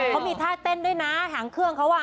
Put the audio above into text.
เค้ามีท่าเต้นด้วยนะอย่างเครื่องเค้าว่า